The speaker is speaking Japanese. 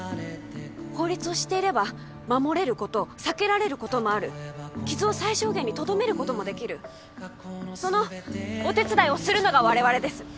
法律を知っていれば守れること避けられることもある傷を最小限にとどめることもできるそのお手伝いをするのが我々です